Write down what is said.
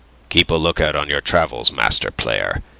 Keep a lookout on your travels, master player.